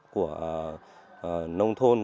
của nông thôn